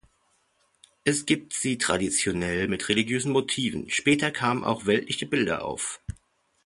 Es gibt sie traditionell mit religiösen Motiven, später kamen auch weltliche Bilder auf.